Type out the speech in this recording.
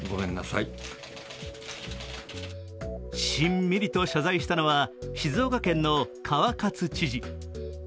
しんみりと謝罪したのは静岡県の川勝知事。